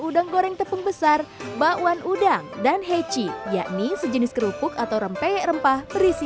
udang goreng tepung besar bakwan udang dan heci yakni sejenis kerupuk atau rempeh rempah berisi